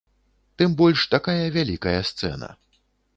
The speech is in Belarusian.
Тым больш, такая вялікая сцэна.